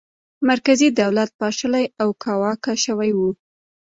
مرکزي دولت پاشلی او کاواکه شوی و.